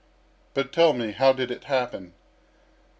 "But tell me, how did it happen?"